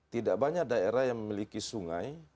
tidak banyak daerah yang memiliki sungai